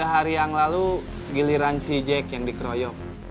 tiga hari yang lalu giliran si jack yang dikeroyok